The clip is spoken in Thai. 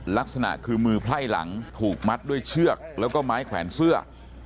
ลักษณะคือมือไพร่หลังถูกมัดด้วยเชือกแล้วก็ไม้แขวนเสื้อ